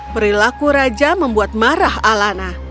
perilaku raja membuat marah alana